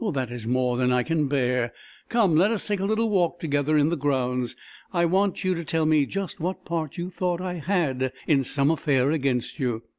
That is more than I can bear. Come, let us take a little walk together in the grounds. I want you to tell me just what part you thought I had in some affair against you.